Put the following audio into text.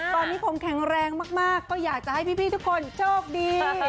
ตอนนี้ผมแข็งแรงมากก็อยากจะให้พี่ทุกคนโชคดี